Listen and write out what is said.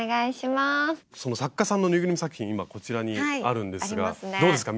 その作家さんのぬいぐるみ作品今こちらにあるんですがどうですか？